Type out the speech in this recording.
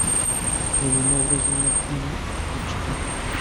د لیمو ورځې یې ټولې تورې شپې کړې